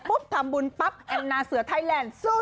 ปุ๊บทำบุญปั๊บแอนนาเสือไทยแลนด์สู้